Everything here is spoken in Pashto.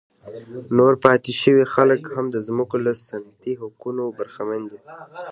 نور پاتې شوي خلک هم د ځمکو له سنتي حقونو برخمن دي.